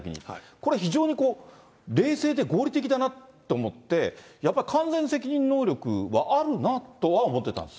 これ、非常に冷静で合理的だなって思って、やっぱり完全責任能力はあるなとは思ってたんです。